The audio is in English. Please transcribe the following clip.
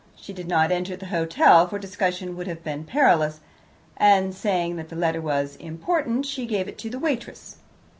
She did not enter the hotel, for discussion would have been perilous, and, saying that the letter was important, she gave it to the waitress.